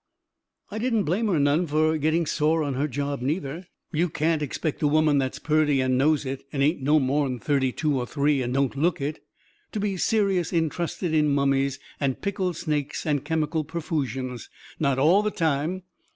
I didn't blame her none fur getting sore on her job, neither. You can't expect a woman that's purty, and knows it, and ain't no more'n thirty two or three, and don't look it, to be serious intrusted in mummies and pickled snakes and chemical perfusions, not ALL the time.